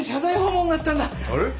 あれ？